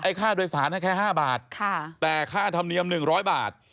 ค่าโดยสารให้แค่๕บาทแต่ค่าธรรมเนียม๑๐๐บาท